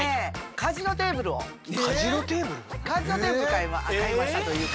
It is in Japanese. カジノテーブルを買いましたというか。